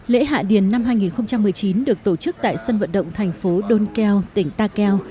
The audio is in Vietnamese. lễ hạ điền năm hai nghìn một mươi chín được tổ chức tại sân vận động thành phố don kheo tỉnh tan kheo